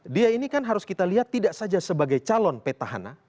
dia ini kan harus kita lihat tidak saja sebagai calon petahana